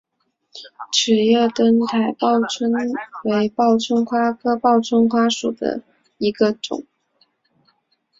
齿叶灯台报春为报春花科报春花属下的一个种。